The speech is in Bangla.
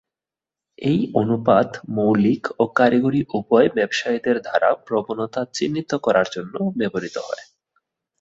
এই অনুপাত মৌলিক ও কারিগরী উভয় ব্যবসায়ীদের দ্বারা প্রবণতা চিহ্নিত করার জন্য ব্যবহৃত হয়।